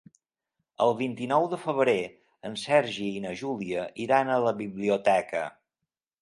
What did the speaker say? El vint-i-nou de febrer en Sergi i na Júlia iran a la biblioteca.